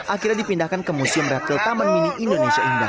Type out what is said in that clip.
akhirnya dipindahkan ke museum reptil taman mini indonesia indah